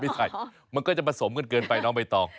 ไม่ใส่มันก็จะผสมกันเกินไปเนาะไม่ต้อง